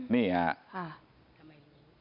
นี่ฮะ